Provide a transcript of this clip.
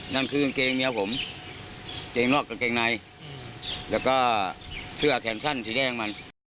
นั่นคือกางเกงเมียผมเกงนอกกางเกงในแล้วก็เสื้อแขนสั้นสีแดงมัน